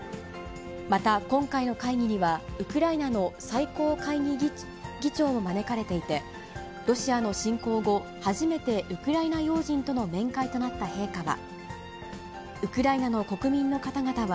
また、今回の会議には、ウクライナの最高会議議長も招かれていて、ロシアの侵攻後、初めてウクライナ要人との面会となった陛下は。